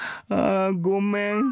あごめん。